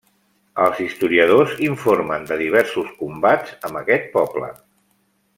Els historiadors informen de diversos combats amb aquest poble.